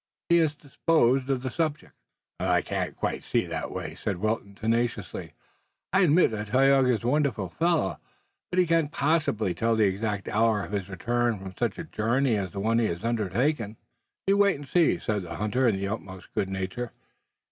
He has disposed of the subject." "I can't quite see it that way," said Wilton tenaciously. "I admit that Tayoga is a wonderful fellow, but he cannot possibly tell the exact hour of his return from such a journey as the one he has undertaken." "You wait and see," said the hunter in the utmost good nature.